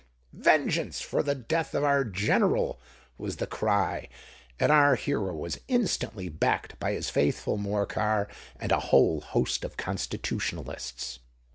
"Vengeance for the death of our general!" was the cry; and our hero was instantly backed by his faithful Morcar and a whole host of Constitutionalists.